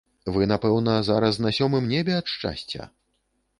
Вы, напэўна, зараз на сёмым небе ад шчасця?